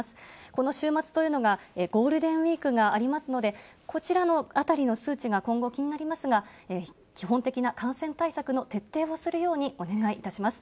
この週末というのが、ゴールデンウィークがありますので、こちらのあたりの数値が今後、気になりますが、基本的な感染対策の徹底をするようにお願いいたします。